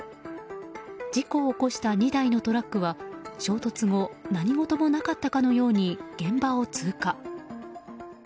事故を起こした２台のトラックは衝突後何事もなかったかのように現場を通過。